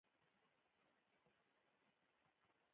ځنګل د انسان ملګری دی.